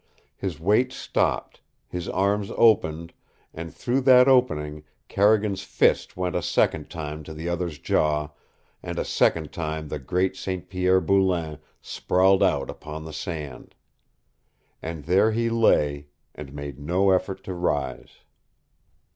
His weight stopped, his arms opened, and through that opening Carrigan's fist went a second time to the other's jaw, and a second time the great St. Pierre Boulain sprawled out upon the sand. And there he lay, and made no effort to rise.